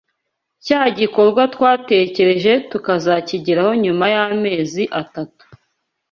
cya gikorwa twatekereje tukazakigeraho nyuma y’ amezi atatu